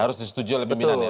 harus disetujui oleh pimpinan ya